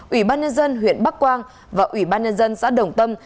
ủy ban nhân dân huyện bắc quang và ủy ban nhân dân xã đồng tâm